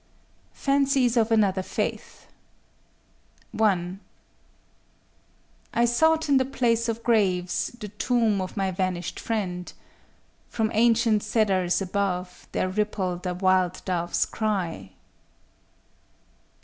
_ FANCIES OF ANOTHER FAITH _(1) I sought in the place of graves the tomb of my vanished friend: From ancient cedars above there rippled a wild doves cry.